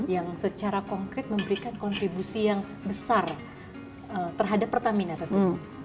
yang secara konkret memberikan kontribusi yang besar terhadap pertamina tentunya